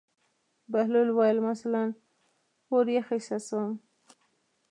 بهلول وویل: مثلاً اور یخ احساسوم.